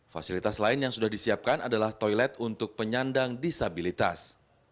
fasilitas lain yang sudah disiapkan adalah toilet untuk penyandang disabilitas